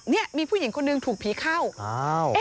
นี่มีผู้หญิงคนนึงถูกผีเข้า